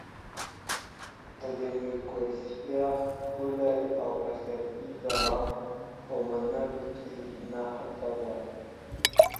د ډيموکراسۍ ښکلا په سياسي زغم او منلو کي نغښتې ده.